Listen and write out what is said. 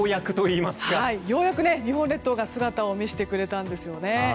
ようやく日本列島が姿を見せてくれたんですよね。